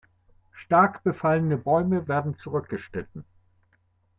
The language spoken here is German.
Stark befallene Bäume werden zurückgeschnitten.